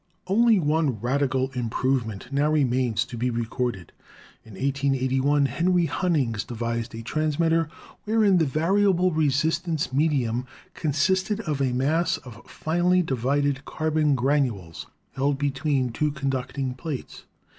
Only one radical improvement now remains to be re corded. In 1 881 Henry Hunnings devised a transmitter 274 ELECTRICITY wherein the variable resistance medium consisted of a mass of finely divided carbon granules held between two conducting plates.